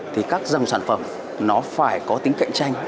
thì các dòng sản phẩm nó phải có tính cạnh tranh